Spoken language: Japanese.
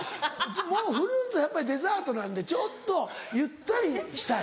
もうフルーツはやっぱりデザートなんでちょっとゆったりしたい。